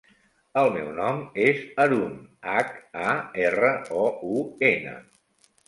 El meu nom és Haroun: hac, a, erra, o, u, ena.